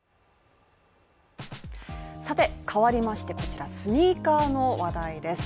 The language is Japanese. さて、変わりましてこちらスニーカーの話題です。